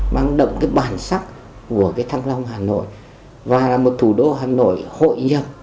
mang đậm bản sắc của thăng long hà nội và là một thủ đô hà nội hội nhập